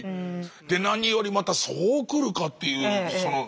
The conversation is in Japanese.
で何よりまたそうくるかというそのあと。